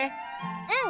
うん。